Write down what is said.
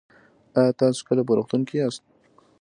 ایا تاسو کله په روغتون کې یاست؟